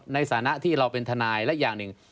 ในฐานะที่เราเป็นทนายและอย่างหนึ่ง